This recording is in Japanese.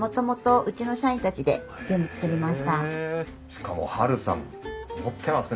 しかもハルさん持ってますね。